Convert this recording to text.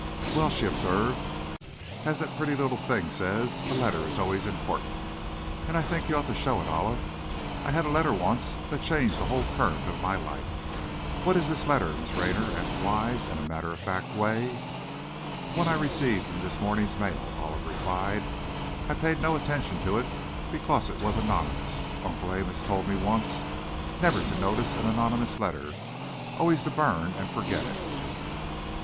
"Well," she observed, "as that pretty little thing says, a letter is always important, and I think you ought to show it, Olive. I had a letter once that changed the whole current of my life!" "What is this letter, Miss Raynor?" asked Wise, in a matter of fact way. "One I received in this morning's mail," Olive replied; "I paid no attention to it, because it was anonymous. Uncle Amos told me once never to notice an anonymous letter, always to burn and forget it."